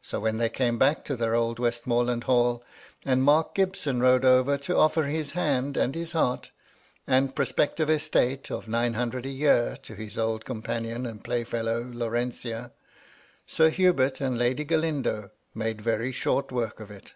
So when they came back to their old West moreland Hall, and Mark Gibson rode over to oflFer his hand and his heart, and prospective estate of nine hundred a year to his old companion and playfellow, Laurentia, Sir Hubert and Lady Galindo made very short work of it.